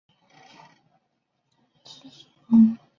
现在是早已并屋子一起卖给朱文公的子孙了